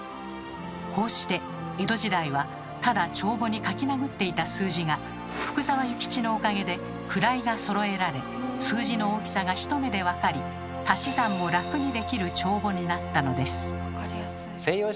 こうして江戸時代はただ帳簿に書きなぐっていた数字が福沢諭吉のおかげで位がそろえられ数字の大きさがひと目で分かり足し算も楽にできる帳簿になったのです。